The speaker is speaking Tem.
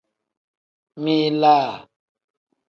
Min-laa.